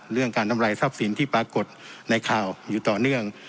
เรื่องการทำลายทรัพย์สินที่ปรากฏในข่าวอยู่ต่อเนื่อง